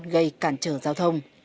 gây cản trở giao thông